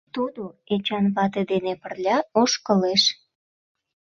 Тудо Эчан вате дене пырля ошкылеш.